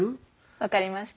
分かりました。